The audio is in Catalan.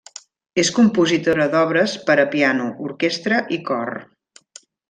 És compositora d’obres per a piano, orquestra i cor.